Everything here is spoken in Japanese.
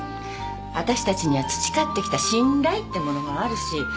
私たちには培ってきた信頼ってものもあるし。